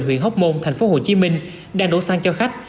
huyện hốc môn thành phố hồ chí minh đang đổ xăng cho khách